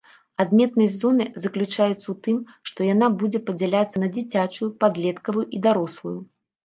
Адметнасць зоны заключаецца ў тым, што яна будзе падзяляцца на дзіцячую, падлеткавую і дарослую.